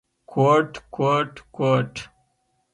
کوټ، کوټ ، کوټ ….